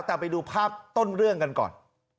แต่ไปดูภาพต้นเรื่องกันก่อน